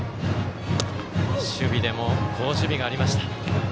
守備でも、好守備がありました。